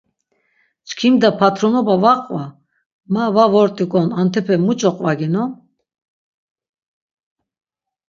Çkimda patronoba va qva, ma va vort̆ik̆on antepe muç̆o qvaginon.